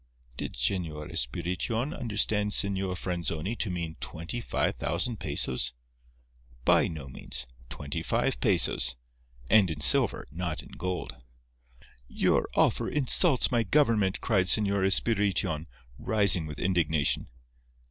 Did Señor Espirition understand Señor Franzoni to mean twenty five thousand pesos? By no means. Twenty five pesos. And in silver; not in gold. "Your offer insults my government," cried Señor Espirition, rising with indignation.